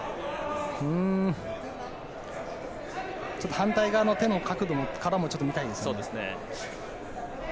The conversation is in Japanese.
反対側からの手の角度も見たいですね。